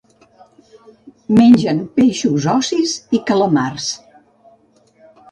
Mengen peixos ossis i calamars.